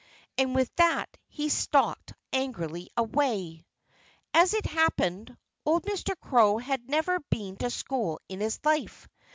And with that he stalked angrily away. As it happened, old Mr. Crow had never been to school in his life.